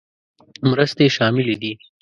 مرستې شاملې دي.